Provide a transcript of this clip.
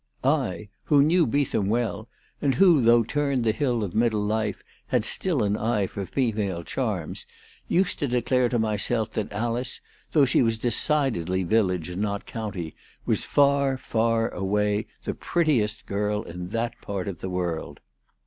I, who knew Beetham well, and who though turned the hill of middle life had still an eye for female charms, used to declare to myself that Alice, though she was decidedly village and not county, was far, far away the prettiest girl in that part of the world.